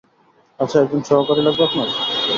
আচ্ছা, একজন সহকারী লাগবে আপনার?